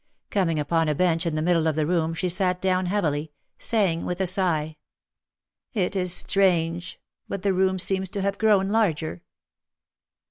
Coming upon a bench in the mid dle of the room she sat down heavily, saying, with a sigh, "It is strange, but the room seems to have grown larger."